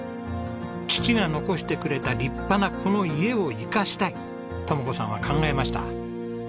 父が残してくれた立派なこの家を生かしたい智子さんは考えました。